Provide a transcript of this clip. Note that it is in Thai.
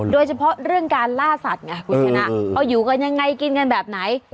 โดยเฉพาะเรื่องการล่าสัตว์ไงคุณชนะเอาอยู่กันยังไงกินกันแบบไหน